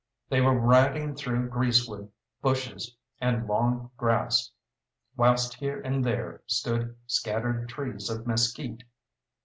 They were riding through greasewood bushes and long grass, whilst here and there stood scattered trees of mesquite.